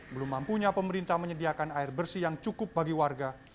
belum mampunya pemerintah menyediakan air bersih yang cukup bagi warga